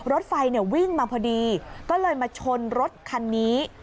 รถไฟวิ่งมาพอดีก็เลยมาชนรถคันนี้